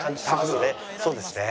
そうですね。